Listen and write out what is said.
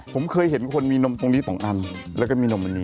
ผมเคยเห็นคนมีนมตรงนี้๒อันแล้วก็มีนมอันนี้